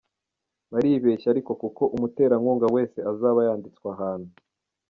Baribeshya ariko kuko umuterankunga wese azaba yanditswe ahantu.